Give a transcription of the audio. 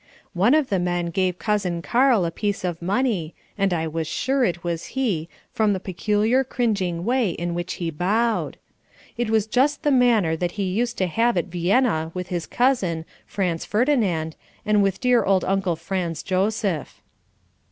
One of the men gave Cousin Karl a piece of money and I was sure it was he, from the peculiar, cringing way in which he bowed. It was just the manner that he used to have at Vienna with his cousin, Franz Ferdinand, and with dear old Uncle Franz Joseph.